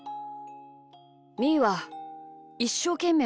みーはいっしょうけんめい